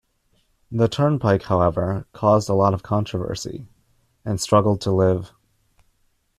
The turnpike however, caused a lot of controversy, and struggled to live.